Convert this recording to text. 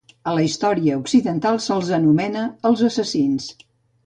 A la història occidental se'ls anomena els Assassins.